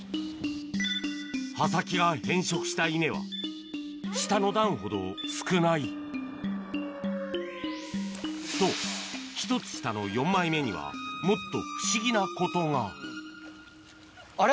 葉先が変色した稲は下の段ほど少ないと１つ下の４枚目にはもっと不思議なことがあれ？